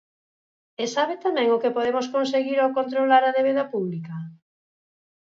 ¿E sabe tamén o que podemos conseguir ao controlar a débeda pública?